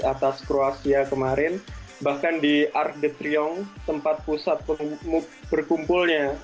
atas kruasia kemarin bahkan di arc de triomphe tempat pusat berkumpulnya